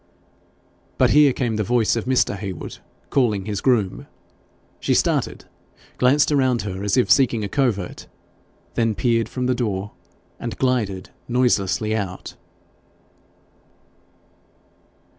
But here came the voice of Mr. Heywood, calling his groom. She started, glanced around her as if seeking a covert, then peered from the door, and glided noiselessly out.